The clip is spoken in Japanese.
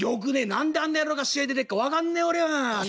何であんな野郎が試合出てっか分かんねえ俺は。